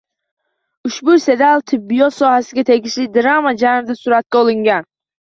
Ushbu serial tibbiyot sohasiga tegishli drama janrida suratga olingan